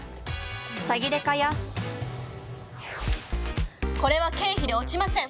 「サギデカ」やこれは経費で落ちません！